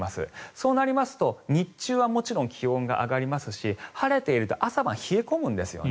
そうなりますと日中はもちろん気温が上がりますし晴れていると朝晩冷え込むんですよね。